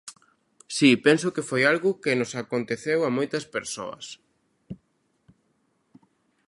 Si, penso que foi algo que nos aconteceu a moitas persoas.